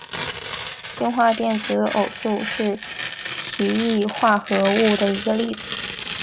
氢化电子偶素是奇异化合物的一个例子。